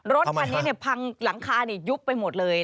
รถคันนี้พลังคานี่ยุบไปหมดเลย